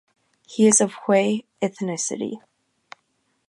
He is of Hui ethnicity.